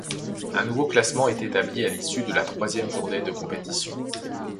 Un nouveau classement est établi à l'issue de la troisième journée de compétition.